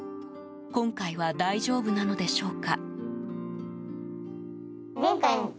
今回は大丈夫なのでしょうか？